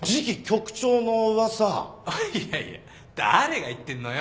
いやいや誰が言ってんのよ。